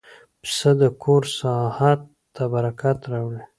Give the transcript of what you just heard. پسه د کور ساحت ته برکت راوړي.